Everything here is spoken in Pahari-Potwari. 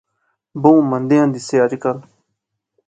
بہوں مندیاں دیسے اج کل